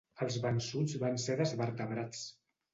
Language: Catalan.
Els vençuts van ser desvertebrats.